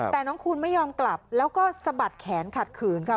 แต่น้องคูณไม่ยอมกลับแล้วก็สะบัดแขนขัดขืนค่ะ